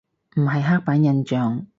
唔係刻板印象